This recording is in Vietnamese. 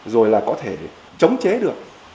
rồi là có thể chống chế được